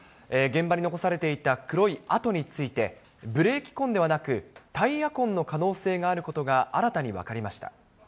現場に残されていた黒い跡について、ブレーキ痕ではなく、タイヤ痕の可能性があることが、新たに分かりました。